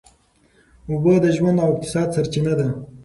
اوبه د ژوند او اقتصاد سرچینه ده.